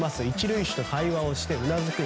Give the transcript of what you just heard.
１塁手と会話をしてうなずく。